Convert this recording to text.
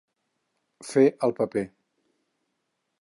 Fer el paper.